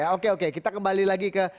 oke oke kita kembali lagi ke